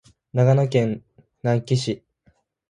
長野県喬木村